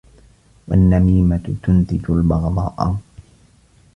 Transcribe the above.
وَالنَّمِيمَةُ تُنْتِجُ الْبَغْضَاءَ